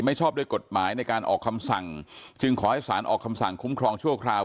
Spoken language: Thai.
ชอบด้วยกฎหมายในการออกคำสั่งจึงขอให้สารออกคำสั่งคุ้มครองชั่วคราว